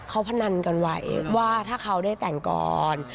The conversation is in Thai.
เขาพนันกันไว้ว่าถ้าเขาได้แต่งก่อน